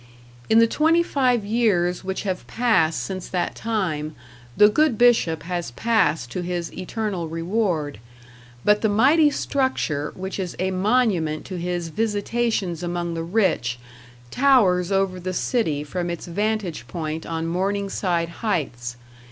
In the twenty five years which have passed since that time the good Bishop has passed to his eternal reward, but the mighty structure which is a monument to his visitations among the rich towers over the city from its vantage point on Morningside Heights.